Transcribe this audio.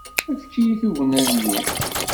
Efk-iyi-d tugna-nni.